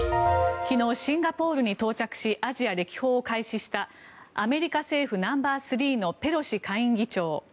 昨日、シンガポールに到着しアジア歴訪を開始したアメリカ政府ナンバースリーのペロシ下院議長。